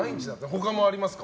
他もありますか？